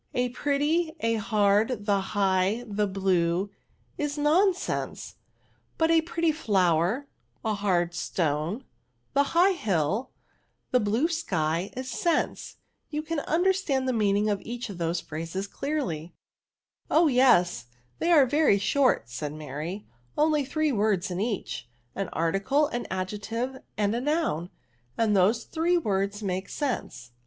A pretty, a hard, the high, the blue, is non sense* But, a pretty flower, a hard stone, the high lull, the blue shy, is sense ; you can understand the meaning of each of those phrases clearly/* Oh ye&, they are very short, said Mary f only three words in each, an article, an adjec« tive, and a noun, and those three words make sense.